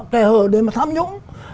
kẻ hở để mà tham nhũng